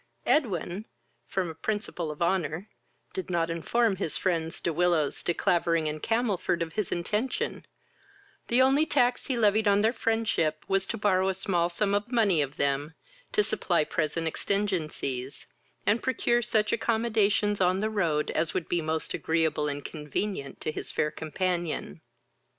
Edwin, from a principle of honour, did not inform his friends, De Willows, De Clavering and Camelford, of his intention; the only tax he levied on their friendship was to borrow a small sum of money of them to supply present exigencies, and procure such accommodations on the road as would be most agreeable and convenient to his fair companion.